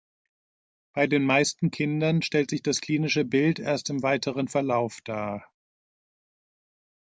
Bei den meisten Kindern stellt sich das klinische Bild erst im weiteren Verlauf dar.